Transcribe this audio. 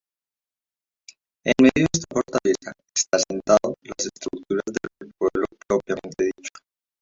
En medio de esta fortaleza está asentado las estructuras del pueblo propiamente dicho.